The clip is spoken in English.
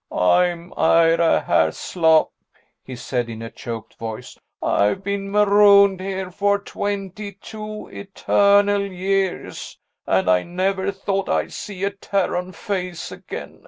"I'm Ira Haslop," he said in a choked voice. "I've been marooned here for twenty two eternal years, and I never thought I'd see a Terran face again.